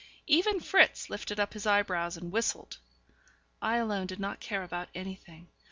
Even Fritz lifted up his eyebrows and whistled. I alone did not care about anything.